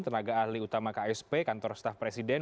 tenaga ahli utama ksp kantor staf presiden